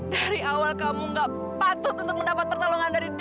dari awal kamu gak patut untuk mendapat pertolongan dari kamu